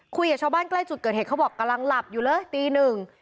คุยกับชาวบ้านใกล้จุดเกิดเหตุเขาบอกกำลังหลับอยู่เลยตีหนึ่ง